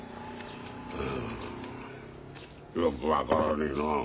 うんよく分からねえな。